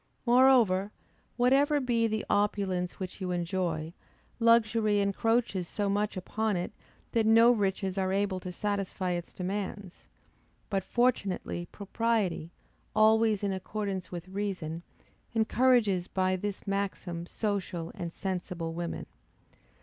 Moreover, whatever be the opulence which you enjoy, luxury encroaches so much upon it, that no riches are able to satisfy its demands; but fortunately propriety, always in accordance with reason, encourages by this maxim social and sensible women.